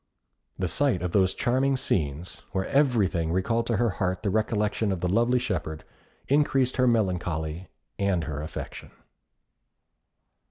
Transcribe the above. The sight of those charming scenes, where everything recalled to her heart the recollection of the lovely shepherd, increased her melancholy and her affection.